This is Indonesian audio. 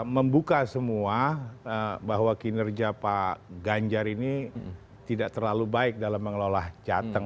membuka semua bahwa kinerja pak ganjar ini tidak terlalu baik dalam mengelola jateng